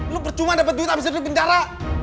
lo percuma dapet duit abis ada duit penjara